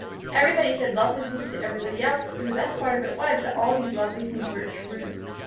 Everybody said lovely things to everybody else, and the best part of it was that all these lovely things were true.